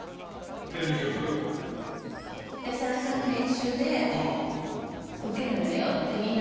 テレビ局？で最初に練習でみんな受けるよって。